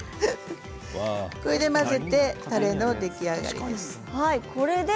これで混ぜてたれの出来上がりです。